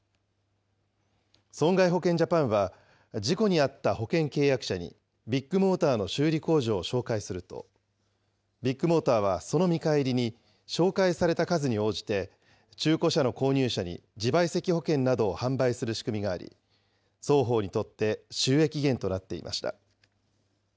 損害保険ジャパンは、事故にあった保険契約者にビッグモーターの修理工場を紹介すると、ビッグモーターはその見返りに、紹介された数に応じて、中古車の購入者に自賠責保険などを販売する仕組みがあり、双方にとって収益源となっていました。